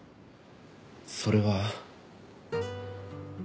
それは。